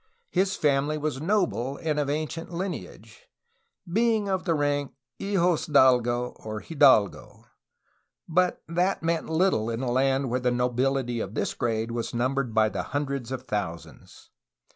His family was noble and of ancient lineage, being of the rank of hijosdalgo, or hidalgo, but that meant little in a land where the nobility of this grade was numbered by the hundreds of thousands.